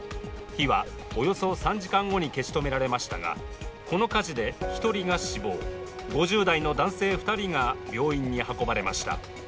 火はおよそ３時間後に消し止められましたが、この火事で１人が死亡、５０代の男性２人が病院に運ばれました。